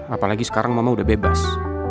apalagi sekarang mama udah bebas